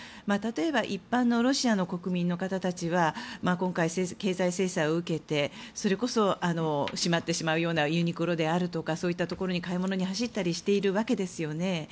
例えば一般のロシアの国民たちは今回経済制裁を受けてそれこそ、閉まってしまうようなユニクロだとかにそういったところに買い物に走ったりしているわけですよね。